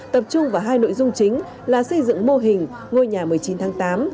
tập trung vào hai nội dung chính là xây dựng mô hình ngôi nhà một mươi chín tháng tám